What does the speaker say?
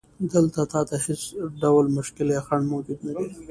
دلته تا ته هیڅ ډول مشکل یا خنډ موجود نه دی.